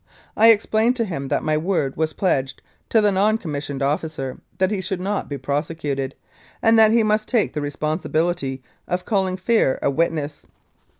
I explained to him that my word was pledged to the non commissioned officer that he should not be prosecuted, and that he must take the responsibility of calling Phair as a witness.